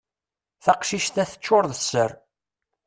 Taqcict-a teččur d sser.